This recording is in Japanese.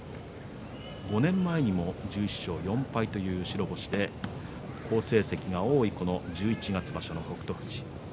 ５年前にも１１勝４敗という白星で好成績が多い、この十一月場所の北勝富士。